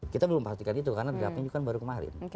kita belum pastikan itu karena diapain baru kemari